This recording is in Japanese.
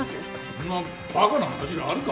そんな馬鹿な話があるか？